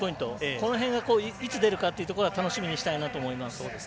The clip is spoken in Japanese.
この辺がいつ出るかというところ楽しみにしたいなと思います。